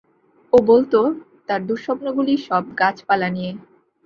ও বলত, তার দুঃস্বপ্নগুলি সব গাছপালা নিয়ে।